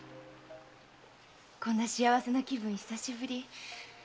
こんな幸せな気分久しぶり。